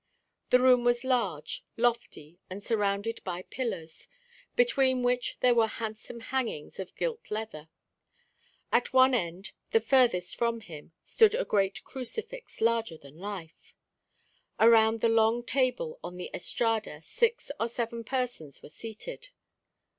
The room was large, lofty, and surrounded by pillars, between which there were handsome hangings of gilt leather. At one end, the furthest from him, stood a great crucifix, larger than life. Around the long table on the estrada six or seven persons were seated.